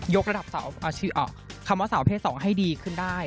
กระดับคำว่าสาวเพศ๒ให้ดีขึ้นได้